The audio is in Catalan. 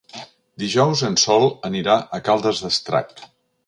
Dijous en Sol anirà a Caldes d'Estrac.